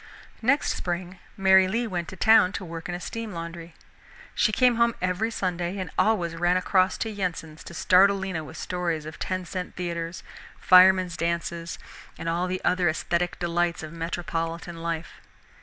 Next spring Mary Lee went to town to work in a steam laundry. She came home every Sunday, and always ran across to Yensens to startle Lena with stories of ten cent theaters, firemen's dances, and all the other esthetic delights of metropolitan life.